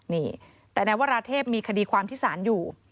นี่แต่แนวราเทพมีคดีความพิสานอยู่